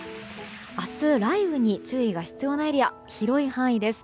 明日、雷雨の注意が必要なエリア広い範囲です。